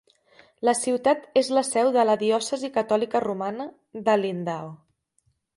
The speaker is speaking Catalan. La ciutat és la seu de la diòcesi catòlica romana d'Alindao.